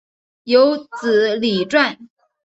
有子李撰。